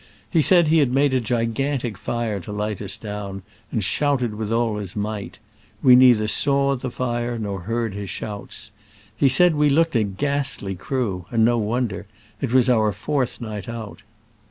He said he had made a gigantic fire to light us down, and shouted with all his might : we neither saw the fire nor heard his shouts. He said we looked a ghastly crew, and no wonder : it was our fourth night out.